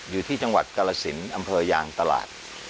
อยู่ที่จังหวัดกาลสินอำเภอยางตลาด